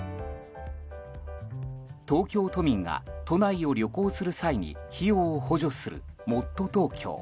東京都民が都内を旅行する際に費用を補助するもっとＴｏｋｙｏ。